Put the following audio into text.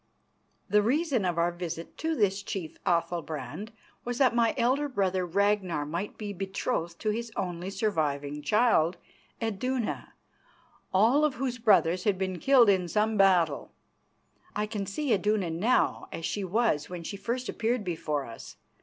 The reason of our visit to this chief Athalbrand was that my elder brother, Ragnar, might be betrothed to his only surviving child, Iduna, all of whose brothers had been killed in some battle. I can see Iduna now as she was when she first appeared before us.